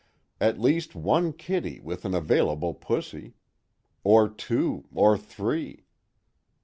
at least one kitty with an available pussy. Or two, or three."